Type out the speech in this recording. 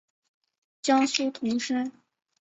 江苏铜山。